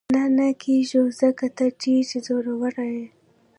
نه، نه کېږو، ځکه ته ډېره زړوره یې.